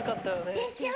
でしょ？